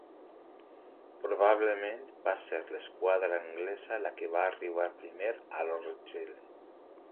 Probablement va ser l'esquadra anglesa la que va arribar primer a La Rochelle.